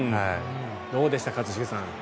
どうでした、一茂さん。